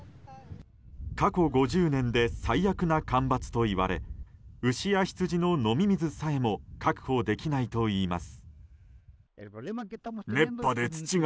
過去５０年で最悪な干ばつといわれ牛や羊の飲み水さえも確保できないといいます。